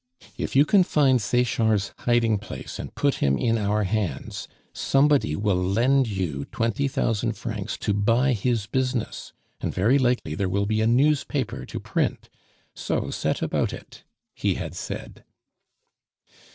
"If you can find Sechard's hiding place and put him in our hands, somebody will lend you twenty thousand francs to buy his business, and very likely there will be a newspaper to print. So, set about it," he had said.